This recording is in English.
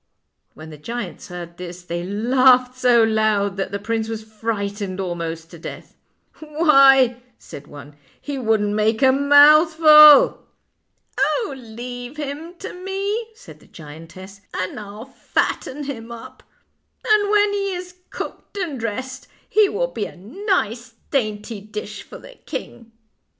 When the giants heard this they laughed so loud that the prince was frightened almost to death. " Why," said one, " he wouldn't make a mouth ful." " Oh, leave him to me," said the giantess, " and I'll fatten him up ; and when he is cooked and dressed he will be a nice dainty dish for the king."